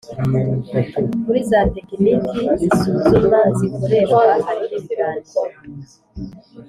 Muri za tekinike z’isuzuma zikoreshwa harimo ibiganiro